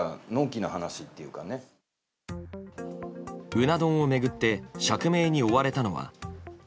うな丼を巡って釈明に追われたのは。